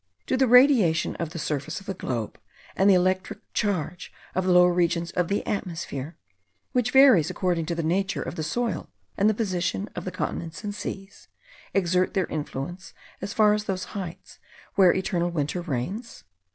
Do the radiation of the surface of the globe, and the electric charge of the lower regions of the atmosphere (which varies according to the nature of the soil and the positions of the continents and seas), exert their influence as far as those heights where eternal winter reigns?